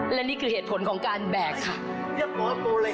และนี่คือเหตุผลของการแบกค่ะ